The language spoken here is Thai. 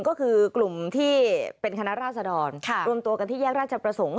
ก็คือกลุ่มที่เป็นคณะราษดรรวมตัวกันที่แยกราชประสงค์